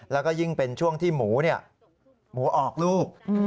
แล้วก็ยิ่งเป็นช่วงที่หมูหมูออกลูก